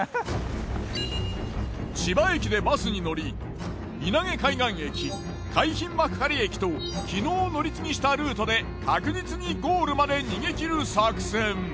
千葉駅でバスに乗り稲毛海岸駅海浜幕張駅と昨日乗り継ぎしたルートで確実にゴールまで逃げ切る作戦。